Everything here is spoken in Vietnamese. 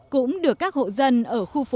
cũng được các hộ dân ở khu phố một